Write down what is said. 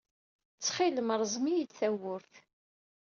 Ttxil-m, rẓem-iyi-d tawwurt.